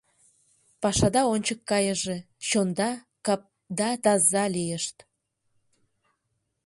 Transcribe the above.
Пашада ончык кайыже, чонда, капда таза лийышт!